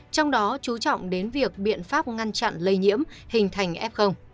trong đó chú trọng đến việc biện pháp ngăn chặn lây nhiễm hình thành f